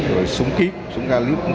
rồi súng kíp súng ga lút